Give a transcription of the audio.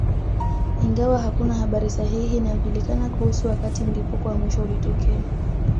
Ingawa hakuna habari sahihi inayojulikana kuhusu wakati mlipuko wa mwisho ulitokea